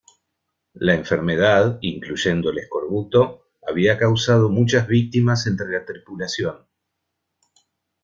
La enfermedad —incluyendo el escorbuto— había causado muchas víctimas entre la tripulación.